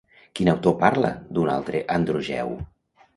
Quin autor parla d'un altre Androgeu?